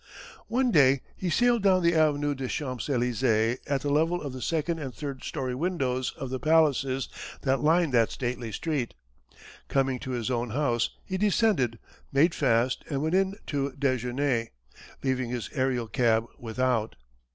One day he sailed down the Avenue des Champs Élysées at the level of the second and third story windows of the palaces that line that stately street. Coming to his own house he descended, made fast, and went in to déjeuner, leaving his aërial cab without.